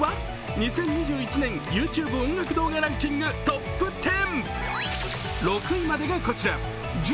２０２１年ＹｏｕＴｕｂｅ音楽動画ランキングトップ１０。